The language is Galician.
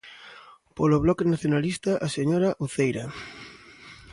Polo Bloque Nacionalista, a señora Uceira.